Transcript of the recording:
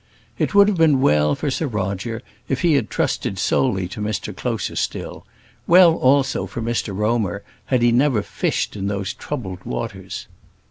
It would have been well for Sir Roger if he had trusted solely to Mr Closerstil; well also for Mr Romer had he never fished in those troubled waters.